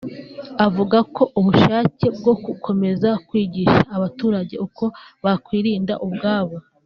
avuga ko ubushake bwo gukomeza kwigisha abaturage uko bakwirinda ubwabo